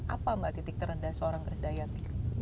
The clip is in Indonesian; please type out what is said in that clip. apa mbak titik terendah seorang krisdayanti